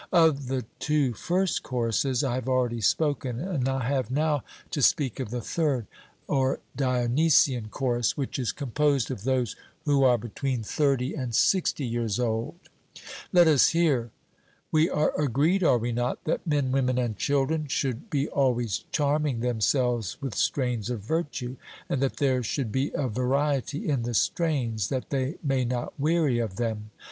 Of the two first choruses I have already spoken, and I have now to speak of the third, or Dionysian chorus, which is composed of those who are between thirty and sixty years old. 'Let us hear.' We are agreed (are we not?) that men, women, and children should be always charming themselves with strains of virtue, and that there should be a variety in the strains, that they may not weary of them?